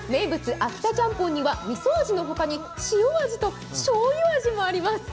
秋田チャンポンにはみそ味のほかに塩味としょうゆ味もあります。